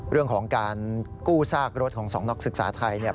เรื่องของการกู้ซากรถของสองนักศึกษาไทยเนี่ย